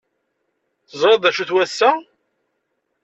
Teẓriḍ d acu-t wass-a?